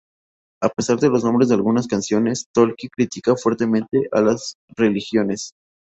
A pesar de los nombres de algunas canciones, Tolkki critica fuertemente a las religiones.